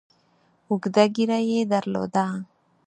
اوږده ږیره یې درلوده.